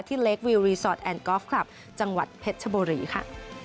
เล็กวิวรีสอร์ทแอนดอล์ฟคลับจังหวัดเพชรชบุรีค่ะ